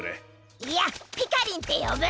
いやピカリンってよぶ。